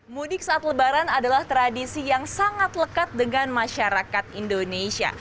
mudik saat lebaran adalah tradisi yang sangat lekat dengan masyarakat indonesia